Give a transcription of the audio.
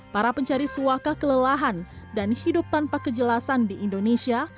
para pencari suaka kelelahan dan hidup tanpa kejelasan di indonesia